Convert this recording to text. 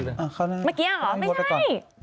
เมื่อกี้อะหรอไม่ใช่ง่ายไปงนับก่อน